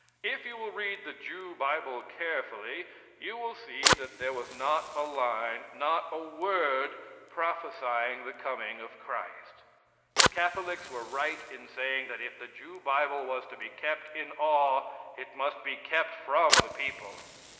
If you will read the Jew bible carefully, you will see that there was not a line, not a word, prophesying the coming of Christ. Catholics were right in saying that if the Jew bible was to be kept in awe it must be kept from the people.